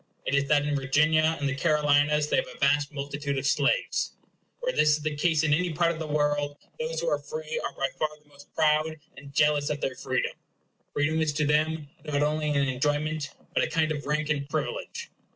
It is that in Virginia and the Carolinas they have a vast multitude of slaves. Where this is the case in any part of the world, those who are free are by far the most proud and jealous of their freedom. Freedom is to them not only an enjoyment, but a kind of rank and privilege.